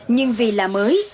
nhưng vì là mới